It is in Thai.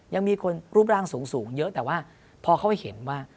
ยังมีคนรูปร่างสูงเยอะแต่ว่าพอเขาไปเห็นว่า